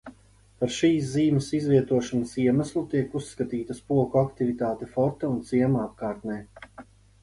Par šīs zīmes izvietošanas iemeslu tiek uzskatīta spoku aktivitāte forta un ciema apkārtnē.